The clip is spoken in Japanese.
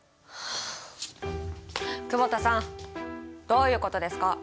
久保田さんどういうことですか？